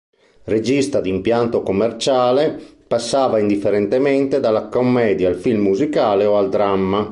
Regista di impianto commerciale, passava indifferentemente dalla commedia al film musicale o al dramma.